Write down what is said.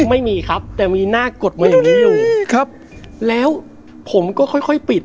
ไม่มีครับแต่มีหน้ากดไว้อยู่แล้วผมก็ค่อยปิด